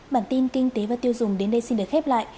bản tin kinh tế và tiêu dùng đến đây xin được khép lại